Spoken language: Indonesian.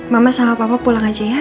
mama sama papa pulang aja ya